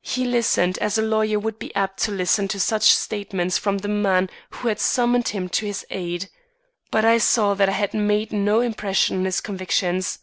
He listened as a lawyer would be apt to listen to such statements from the man who had summoned him to his aid. But I saw that I had made no impression on his convictions.